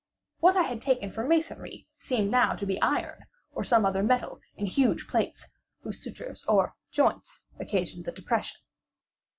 What I had taken for masonry seemed now to be iron, or some other metal, in huge plates, whose sutures or joints occasioned the depression.